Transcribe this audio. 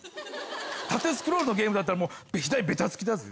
縦スクロールのゲームだったらもう左べたつきだぜ。